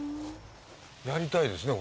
やりたいですね。